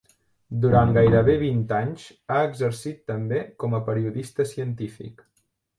Durant gairebé vint anys ha exercit també com a periodista científic.